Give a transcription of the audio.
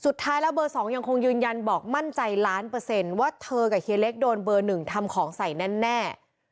สุดท้ายแล้วเบอร์๒ยังคงยืนยันบอกมั่นใจล้านเปอร์เซ็นต์ว่าเธอกับเฮียเล็กโดนเบอร์หนึ่งทำของใส่แน่